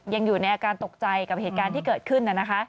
ยังอยู่ในอาการตกใจกับเหตุการณ์ที่เกิดขึ้น